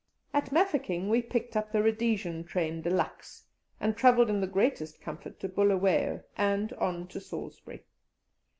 At Mafeking we picked up the Rhodesian train de luxe, and travelled in the greatest comfort to Bulawayo, and on to Salisbury.